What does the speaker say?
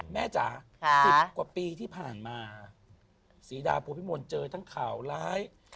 จ๋า๑๐กว่าปีที่ผ่านมาศรีดาโพพิมลเจอทั้งข่าวร้าย